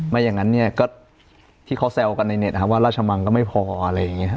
ไม่อย่างนั้นเนี่ยก็ที่เขาแซวกันในเน็ตว่าราชมังก็ไม่พออะไรอย่างนี้